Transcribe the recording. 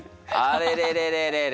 あれれれれれれ。